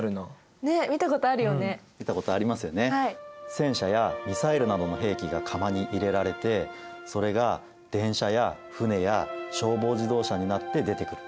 戦車やミサイルなどの兵器が釜に入れられてそれが電車や船や消防自動車になって出てくる。